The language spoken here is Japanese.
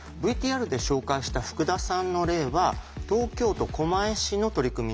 ＶＴＲで紹介した福田さんの例は東京都狛江市の取り組みなんですね。